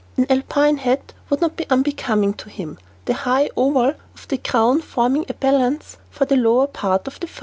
An alpine hat would not be unbecoming to him, the high oval of the crown forming a balance for the lower part of the face.